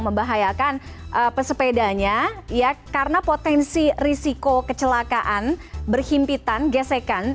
membahayakan pesepedanya ya karena potensi risiko kecelakaan berhimpitan gesekan